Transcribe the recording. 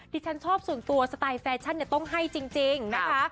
ที่ฉันชอบส่วนตัวสไตล์แฟชั่นต้องให้จริงนะคะ